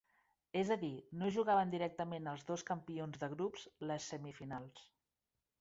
És a dir, no jugaven directament els dos campions de grups les semifinals.